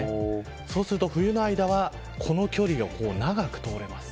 そうすると冬の間はこの距離を長く通れます。